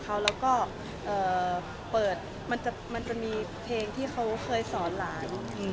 แล้วก็เปิดมันจะมีเพลงที่เขาเคยสอนหลาน